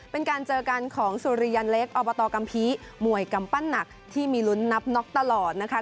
เป็นการเจอกันของสุริยันเล็กอบตกัมภีร์มวยกำปั้นหนักที่มีลุ้นนับน็อกตลอดนะคะ